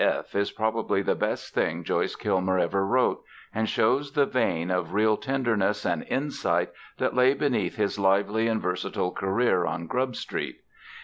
F. is probably the best thing Joyce Kilmer ever wrote, and shows the vein of real tenderness and insight that lay beneath his lively and versatile career on Grub Street.